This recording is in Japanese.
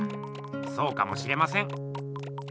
そうかもしれません。